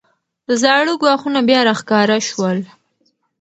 زاړه ګواښونه بیا راښکاره شول.